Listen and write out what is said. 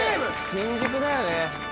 新宿だよね。